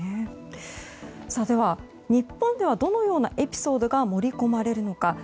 では、日本ではどのようなエピソードが盛り込まれるのか。